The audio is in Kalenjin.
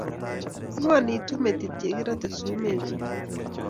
ng'wanitu metit ye kerate sumek kuk